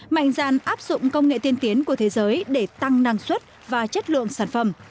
mạnh dạn áp dụng công nghệ tiên tiến của thế giới để tăng năng suất và chất lượng sản phẩm